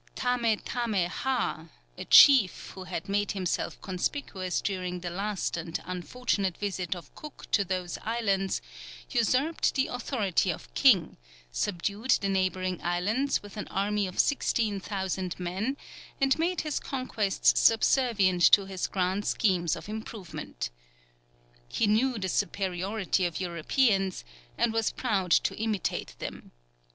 Tame tame hah, a chief, who had made himself conspicuous during the last and unfortunate visit of Cook to those islands, usurped the authority of king, subdued the neighbouring islands with an army of 16,000 men, and made his conquests subservient to his grand schemes of improvement. He knew the superiority of Europeans, and was proud to imitate them.